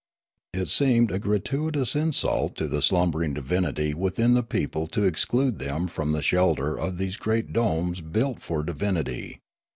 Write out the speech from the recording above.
It seemed a gratuitous insult to the slumbering divinity within the people to exclude them from the shelter of these great domes built for divinity.